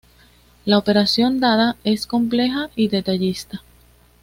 La operación dada es compleja y detallista.